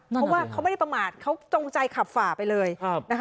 เพราะว่าเขาไม่ได้ประมาทเขาจงใจขับฝ่าไปเลยนะคะ